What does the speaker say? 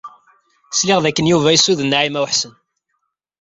Sliɣ d akken Yuba yessuden Naɛima u Ḥsen.